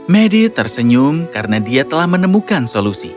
medi tersenyum karena dia telah menemukan solusi